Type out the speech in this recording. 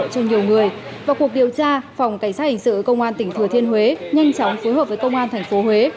trong cuộc điều tra phòng cảnh sát hành sự công an tỉnh thừa thiên huế nhanh chóng phối hợp với công an thành phố huế